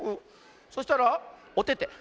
そしたらおてて。